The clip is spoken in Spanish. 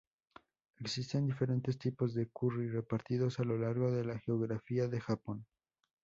Existen diferentes tipos de curry repartidos a lo largo de la geografía de Japón.